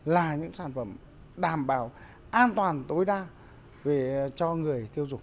là những sản phẩm đảm bảo an toàn tối đa cho người tiêu dùng